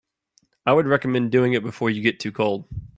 I would recommend doing it before you get too old.